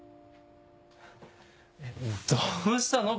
どうしたの？